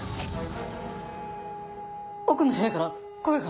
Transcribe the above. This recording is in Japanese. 奥の部屋から声が。